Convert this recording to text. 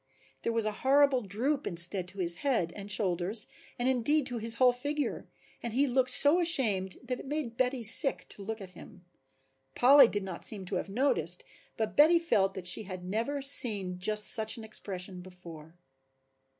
There was a horrible droop instead to his head and shoulders, and indeed to his whole figure, and he looked so ashamed that it made Betty sick to look at him, Polly did not seem to have noticed but Betty felt that she had never seen just such an expression before.